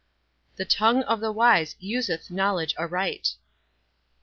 "TLe tongue of the wise useth knowledge aright."